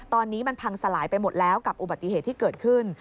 ตอนนี้มันพังสลายไปหมดแล้วกับอุบัติเหตุที่เกิดขึ้น